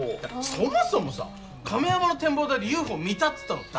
そもそもさ亀山の展望台でＵＦＯ見たっつったの誰？